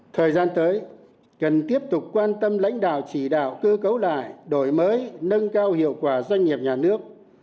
thời gian tới cần tiếp tục quan tâm lãnh đạo chỉ đạo cơ cấu lại đổi mới nâng cao hiệu quả doanh nghiệp nhà nước